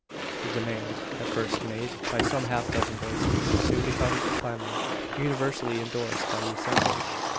The demand, at first made by some half dozen voices, soon becomes a clamour, universally endorsed by the assemblage.